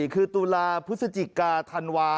คือตุลาพฤศจิกาธันวา